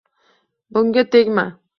“Bunga tegma!